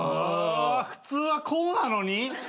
普通はこうなのに！？